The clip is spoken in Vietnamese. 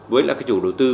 với chủ đầu tư